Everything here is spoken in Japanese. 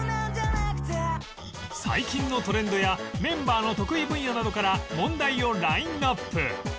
最近のトレンドやメンバーの得意分野などから問題をラインアップ